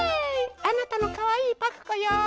あなたのかわいいパクこよ。